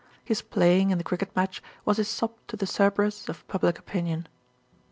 His playing in the cricket match was his sop to the Cerberus of public opinion.